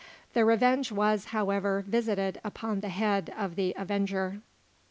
The revenge was, however, visited upon the head of the avenger.